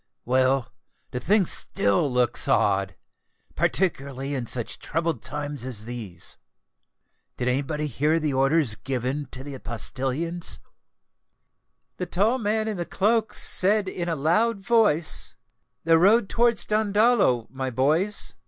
Well—the thing still looks odd—particularly in such troubled times as these. Did anybody hear the orders given to the postilions?" "The tall man in the cloak said in a loud voice, '_The road towards Dandolo, my boys!